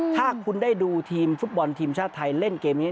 ถ้าคุณได้ดูทีมฟุตบอลทีมชาติไทยเล่นเกมนี้